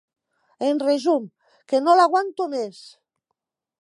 En resum: que no l'aguanto més.